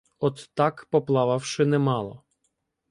От так поплававши немало